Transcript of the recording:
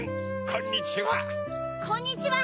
こんにちは！